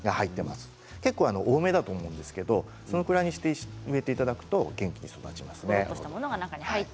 結構多めだと思うんですけどそれぐらいにして植えていただくと元気に育ちます。